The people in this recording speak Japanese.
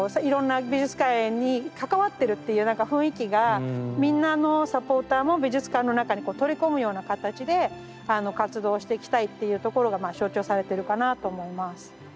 いろんな美術館に関わってるっていう雰囲気がみんなあのサポーターも美術館の中にこう取り込むような形で活動していきたいっていうところがまあ象徴されてるかなと思います。